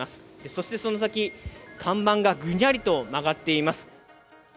そしてその先、看板がぐにゃりと曲がっています。